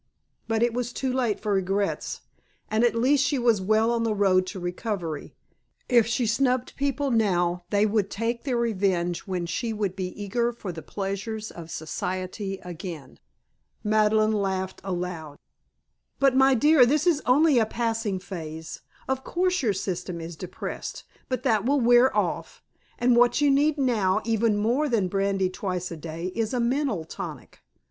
But it was too late for regrets, and at least she was well on the road to recovery; if she snubbed people now they would take their revenge when she would be eager for the pleasures of Society again. Madeleine laughed aloud. "But, my dear, this is only a passing phase. Of course your system is depressed but that will wear off, and what you need now, even more than brandy twice a day, is a mental tonic.